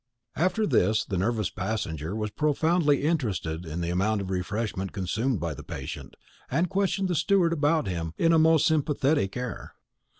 After this the nervous passenger was profoundly interested in the amount of refreshment consumed by the patient, and questioned the steward about him with a most sympathetic air.